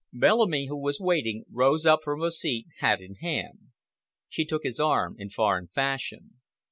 Bellamy, who was waiting, rose up from a seat, hat in hand. She took his arm in foreign fashion.